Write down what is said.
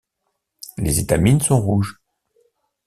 Les étamines sont rouges.